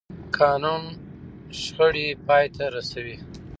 قانون د شخړو پای ته رسوي